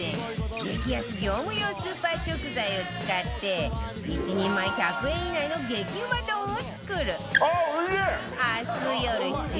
激安業務用スーパー食材を使って一人前１００円以内の激うま丼を作る